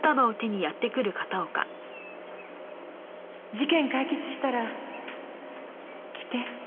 事件解決したら来て。